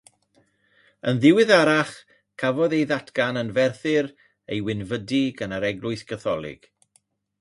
Yn ddiweddarach cafodd ei ddatgan yn ferthyr a'i wynfydu gan yr Eglwys Gatholig.